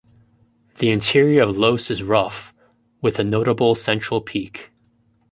The interior of Lohse is rough, with a notable central peak.